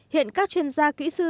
hiện các chuyên gia kỹ sư